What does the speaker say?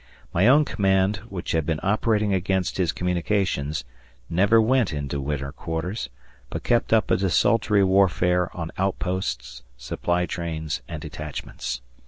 My own command, which had been operating against his communications, never went into winter quarters, but kept up a desultory warfare on outposts, supply trains, and detachments.